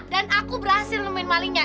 dan aku berhasil nemuin malingnya